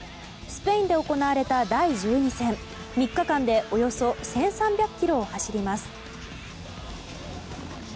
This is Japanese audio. スペインで行われた第１２戦３日間でおよそ１３００ｋｍを走ります。